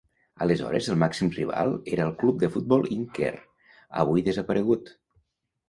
Aleshores el màxim rival era el Club de Futbol Inquer, avui desaparegut.